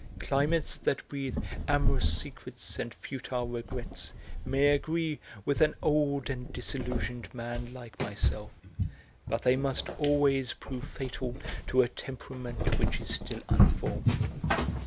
Climates that breathe amorous secrets and futile regrets may agree with an old and disillusioned man like myself; but they must always prove fatal to a temperament which is still unformed.